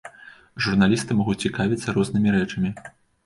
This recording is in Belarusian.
Журналісты могуць цікавіцца рознымі рэчамі.